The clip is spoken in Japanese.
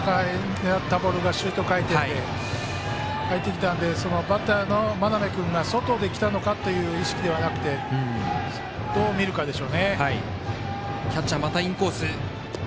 狙ったボールがシュート回転で入ってきたので、バッターの真鍋君が外できたのかという意識ではなくてどう見るかでしょうね。